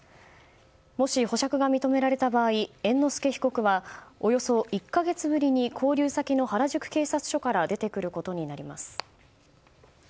もし、保釈が認められた場合猿之助被告はおよそ１か月ぶりに勾留先の原宿警察署から出てくることになります。